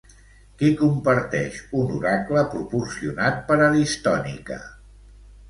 Qui comparteix un oracle proporcionat per Aristònica?